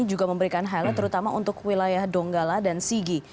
juga memberikan highlight terutama untuk wilayah donggala dan sigi